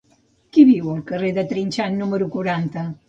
Qui viu al carrer de Trinxant número quaranta?